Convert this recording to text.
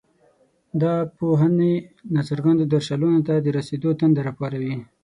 دا پوهنې ناڅرګندو درشلونو ته د رسېدلو تنده راپاروي.